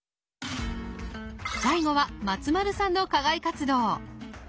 最後は松丸さんの課外活動。